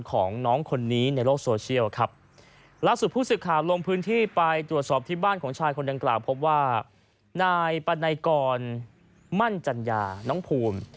ของน้องคนนี้ในโลกโซเชียลครับล่าสุดผู้สื่อข่าวลงพื้นที่ไปตรวจสอบที่บ้านของชายคนดังกล่าวพบว่านายปันัยกรมั่นจัญญาน้องภูมิ